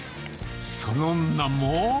その名も。